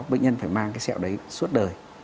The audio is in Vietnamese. bệnh nhân phải mang cái sẹo đấy suốt đời